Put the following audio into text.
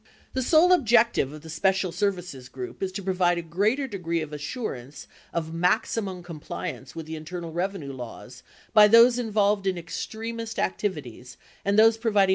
... The sole objective of the Special Service Group is to provide a greater degree of assurance of maximum com pliance with the Internal Revenue laws by those involved in extremist activities and those providing financial support to these activities.